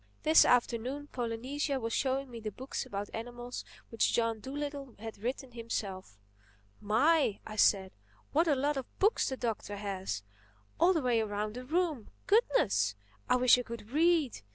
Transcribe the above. This afternoon Polynesia was showing me the books about animals which John Dolittle had written himself. "My!" I said, "what a lot of books the Doctor has—all the way around the room! Goodness! I wish I could read!